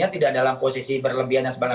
tidak dalam posisi berlebihan dan sebagainya